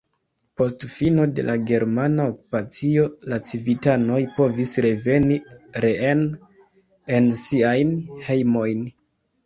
Post fino de la germana okupacio la civitanoj povis reveni reen en siajn hejmojn.